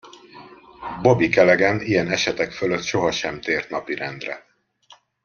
Bobby Calaghan ilyen esetek fölött sohasem tért napirendre.